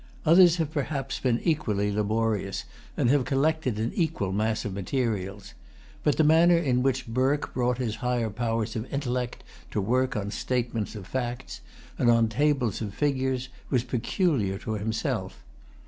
Others have perhaps been equally laborious, and have collected an equal mass of materials. But the manner in which Burke brought his higher powers of intellect to work on statements of facts, and on tables of figures, was peculiar to himself.